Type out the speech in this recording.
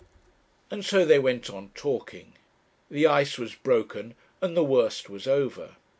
And so they went on talking. The ice was broken and the worst was over.